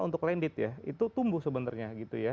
untuk landed ya itu tumbuh sebenarnya